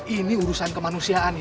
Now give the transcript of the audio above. ini urusan kemanusiaan ya